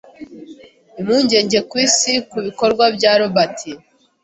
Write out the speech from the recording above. impuguke ku isi ku bikorwa bya Robert